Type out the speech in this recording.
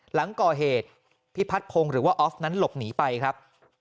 หลังก่อเหตุพิพัฒน์พงศ์หรือว่าออฟนั้นหลบหนีไปครับ